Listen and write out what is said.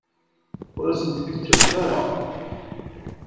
Ur asent-t-id-ǧǧant ara.